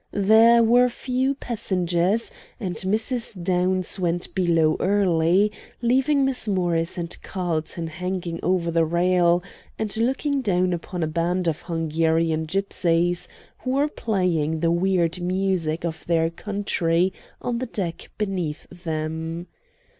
There were few passengers, and Mrs. Downs went below early, leaving Miss Morris and Carlton hanging over the rail, and looking down upon a band of Hungarian gypsies, who were playing the weird music of their country on the deck beneath them.